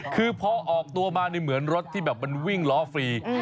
คือพอออกตัวมานี่เหมือนรถที่แบบมันวิ่งล้อฟรี